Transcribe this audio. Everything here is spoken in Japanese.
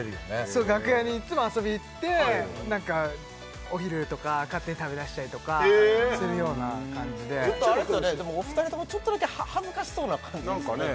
そう楽屋にいっつも遊びに行って何かお昼とか勝手に食べだしたりとかするような感じででもお二人ともちょっとだけ恥ずかしそうな感じですよね